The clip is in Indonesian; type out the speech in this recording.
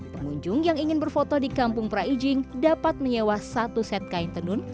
pengunjung yang ingin berfoto di kampung praijing dapat menyewa satu set kain tenun